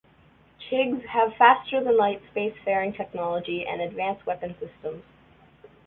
Chigs have faster-than-light spacefaring technology and advanced weapon systems.